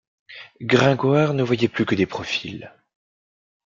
Gringoire ne voyait plus que des profils.